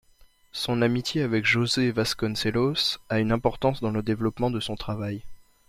Son amitié avec José Vasconcelos, a une importance dans le développement de son travail.